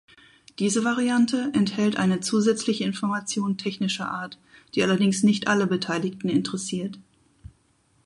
Diese Variante enthält eine zusätzliche Information technischer Art, die allerdings nicht alle Beteiligten interessiert.